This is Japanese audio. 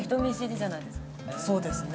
そうですね。